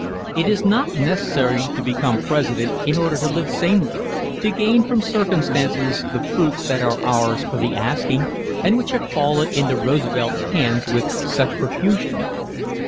_" It is not necessary to become President in order to live sanely, to gain from circumstances the fruits that are ours for the asking and which have fallen into Roosevelt's hands with such profusion.